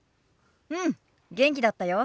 うん元気だったよ。